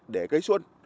để cấy xuân